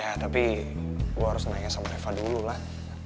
ya tapi gue harus nanya sama reva dulu lah